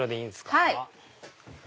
はい。